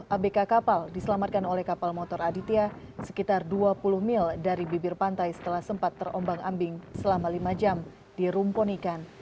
enam abk kapal diselamatkan oleh kapal motor aditya sekitar dua puluh mil dari bibir pantai setelah sempat terombang ambing selama lima jam di rumpun ikan